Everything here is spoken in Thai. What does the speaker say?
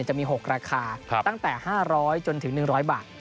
จะมี๖ราคาตั้งแต่๕๐๐จนถึง๑๐๐บาท